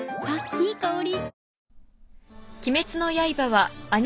いい香り。